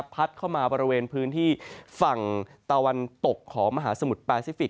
พัดเข้ามาบริเวณพื้นที่ฝั่งตะวันตกของมหาสมุทรแปซิฟิก